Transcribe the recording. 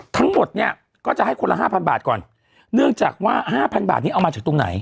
ทั้งหมดเนี่ยก็จะให้คนละห้าพันบาทก่อนเนื่องจากว่าห้าพันบาทนี้เอามาจากตรงไหน